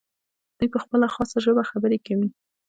دوی په خپله خاصه ژبه خبرې کوي.